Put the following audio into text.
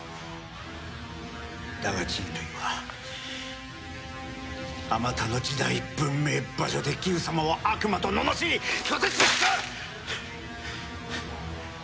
だが人類はあまたの時代文明場所でギフ様を悪魔とののしり拒絶した！